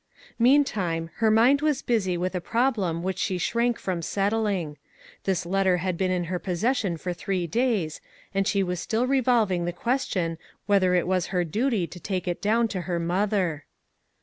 Meantime, her mind was busy with a problem which she shrank from settling. This letter had been in her possession for three days, and she was still revolving the question whether it was her duty to take it down to her mother.